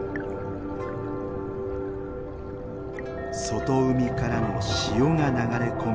外海からの潮が流れ込む海。